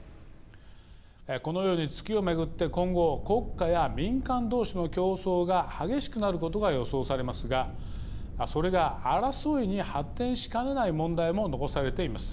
このように月を巡って今後国家や民間同士の競争が激しくなることが予想されますがそれが争いに発展しかねない問題も残されています。